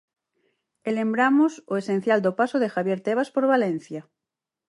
E lembramos o esencial do paso de Javier Tebas por Valencia.